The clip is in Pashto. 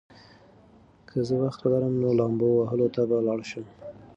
که زه وخت ولرم، نو لامبو وهلو ته به لاړ شم.